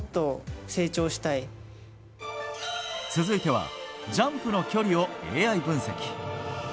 続いてはジャンプの距離をＡＩ分析。